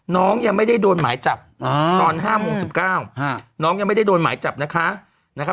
น้องยังไม่ได้โดนหมายจับตอน๕โมง๑๙น้องยังไม่ได้โดนหมายจับนะคะ